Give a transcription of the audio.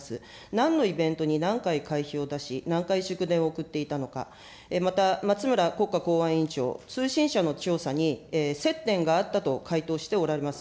なんのイベントに何回会費を出し、何回祝電を送っていたのか、また、松村国家公安委員長、通信社の調査に、接点があったと回答しておられます。